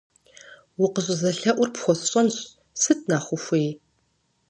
Укъыщӏызэлъэӏур пхуэсщӏэнщ, сыт нэхъ ухуей?